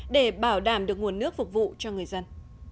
để bảo đảm được nguồn nước phục vụ cho người dân